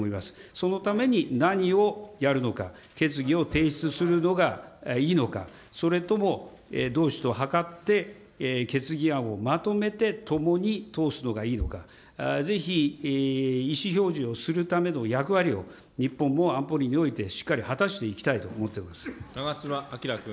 そのために何をやるのか、決議を提出するのがいいのか、それとも同志とはかって、決議案をまとめて共に通すのがいいのか、ぜひ、意思表示をするための役割を、日本も安保理においてしっかり果た長妻昭君。